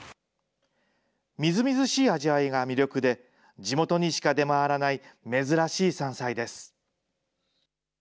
みずみずしい味わいが魅力で、地元にしか出回らない珍しい山菜です。